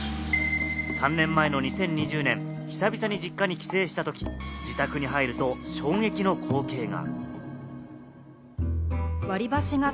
３年前の２０２０年、久々に実家に帰省したとき、自宅に入ると衝撃の光景が。